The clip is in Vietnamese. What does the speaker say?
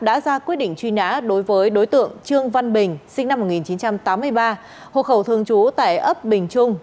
đã ra quyết định truy nã đối với đối tượng trương văn bình sinh năm một nghìn chín trăm tám mươi ba hộ khẩu thường trú tại ấp bình trung